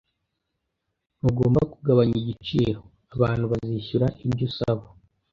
Ntugomba kugabanya igiciro. Abantu bazishyura ibyo usaba.